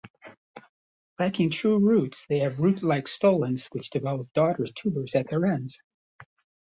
Lacking true roots, they have root-like stolons which develop "daughter" tubers at their ends.